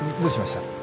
どうしました？